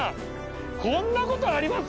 こんなことあります？